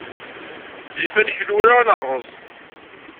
Yif ad neknu wala ad nerreẓ.